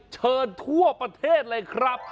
เชิญทั่วประเทศเลยครับ